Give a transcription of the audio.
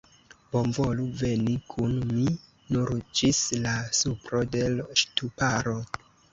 Bonvolu veni kun mi, nur ĝis la supro de l' ŝtuparo.